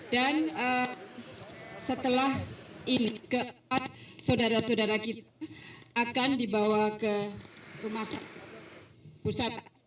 dan setelah ini keempat saudara saudara kita akan dibawa ke rumah pusat